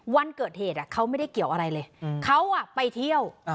วันเกิดเหตุเขาไม่ได้เกี่ยวอะไรเลยเขาไปเที่ยว